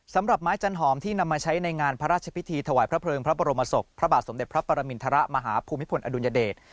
สำหรับไม้จันหอมที่นำมาใช้ในงานพระราชพิธีถวายพระเพลิงพระบรมศพพระบาทสมเด็จพระปรมินทรมาฮภูมิพลอดุลยเดช